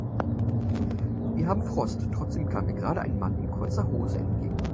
Wir haben Frost, trotzdem kam mir gerade ein Mann in kurzer Hose entgegen.